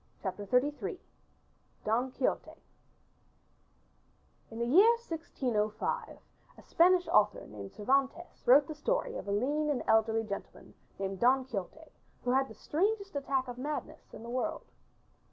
CHAPTER XXXIII DON QUIXOTE In the year 1605 a Spanish author named Cervantes wrote the story of a lean and elderly gentleman named Don Quixote who had the strangest attack of madness in the world.